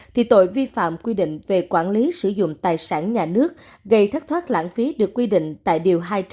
thì tội vi phạm quy định về quản lý sử dụng tài sản nhà nước gây thất thoát lãng phí được quy định tại điều hai trăm tám mươi